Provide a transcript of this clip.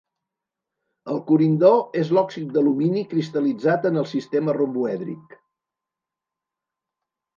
El corindó és l'òxid d'alumini cristal·litzat en el sistema romboèdric.